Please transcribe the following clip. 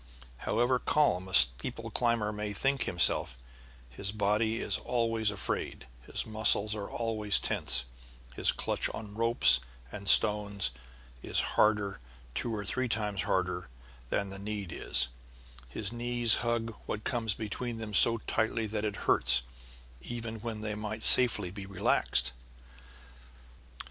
However calm a steeple climber may think himself, his body is always afraid, his muscles are always tense, his clutch on ropes and stones is always harder, two or three times harder, than the need is; his knees hug what comes between them so tightly that it hurts, even when they might safely be relaxed.